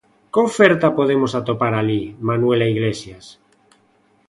Que oferta podemos atopar alí, Manuela Iglesias?